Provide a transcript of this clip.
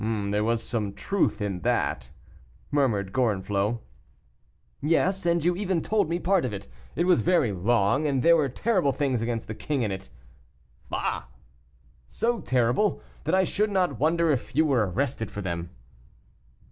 "There was some truth in that," murmured Gorenflot. "Yes, and you even told me part of it; it was very long, and there were terrible things against the king in it." "Bah!" "So terrible, that I should not wonder if you were arrested for them."